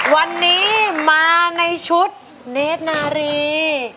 วันนี้มาในชุดเนธนารี